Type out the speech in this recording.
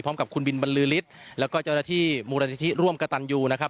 กับคุณบินบรรลือฤทธิ์แล้วก็เจ้าหน้าที่มูลนิธิร่วมกระตันยูนะครับ